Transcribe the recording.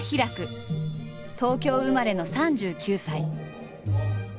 東京生まれの３９歳。